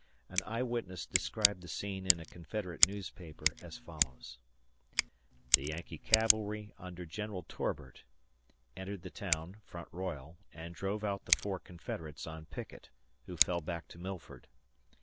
An eye witness described the scene in a Confederate newspaper as follows: The Yankee Cavalry, under General Torbert, entered the town (Front Royal), and drove out the four Confederates on picket, who fell back to Milford.